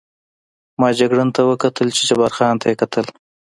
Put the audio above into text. ما جګړن ته وکتل، چې جبار خان ته یې کتل.